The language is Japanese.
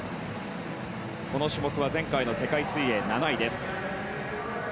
この種目は前回の世界水泳７位です。